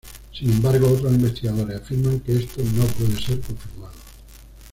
Sin embargo, otros investigadores afirman que esto no puede ser confirmado.